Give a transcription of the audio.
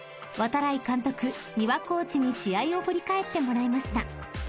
［度会監督三輪コーチに試合を振り返ってもらいました］